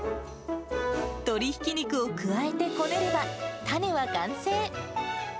鶏ひき肉を加えてこねれば、たねは完成。